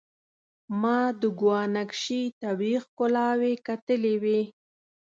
ما د ګوانګ شي طبيعي ښکلاوې کتلې وې.